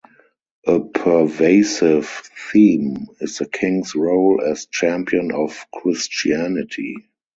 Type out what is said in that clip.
A pervasive theme is the King's role as champion of Christianity.